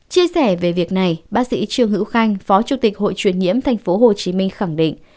chia sẻ về việc này bác sĩ trương hữu khanh phó chủ tịch hội truyền nhiễm tp hcm khẳng định